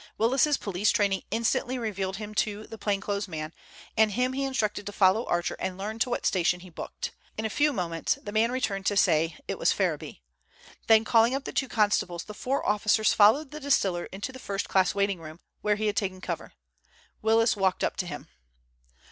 Willis's police training instantly revealed to him the plain clothes man, and him he instructed to follow Archer and learn to what station he booked. In a few moments the man returned to say it was Ferriby. Then calling up the two constables, the four officers followed the distiller into the first class waiting room, where he had taken cover. Willis walked up to him.